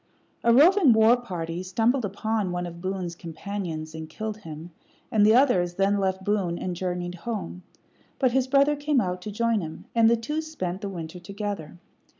A roving war party stumbled upon one of Boone's companions and killed him, and the others then left Boone and journeyed home; but his brother came out to join him, and the two spent the winter together.